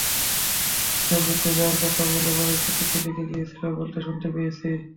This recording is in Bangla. একজন যুদ্ধে যাওয়ার কথা বলে বাড়িতে চিঠি লিখে গিয়েছিল বলে শুনতে পেয়েছি।